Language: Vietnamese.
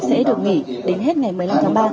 sẽ được nghỉ đến hết ngày một mươi năm tháng ba